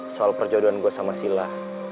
soal perjodohan gue sama sila